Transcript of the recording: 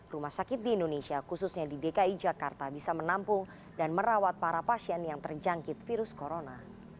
rumah sakit di indonesia khususnya di dki jakarta bisa menampung dan merawat para pasien yang terjangkit virus corona